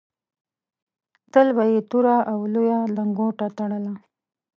تل به یې توره او لویه لنګوټه تړله.